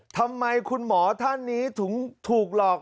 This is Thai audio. ทำไมคุณหมอท่านนี้ถึงถูกหลอก